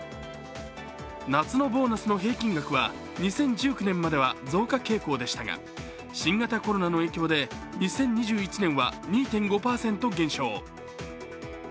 夏のボーナスの平均額は２０１９年までは増加傾向でしたが新型コロナの影響で、２０２１年は２．５％減少。